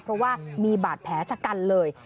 เพราะว่ามีบาดแผลชะกันเลย